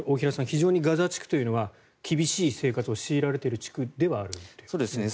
非常にガザ地区というのは厳しい生活を強いられている地区ではあるわけですね。